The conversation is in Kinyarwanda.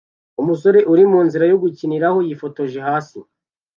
Umusore uri munzira yo gukiniraho yifotoje hasi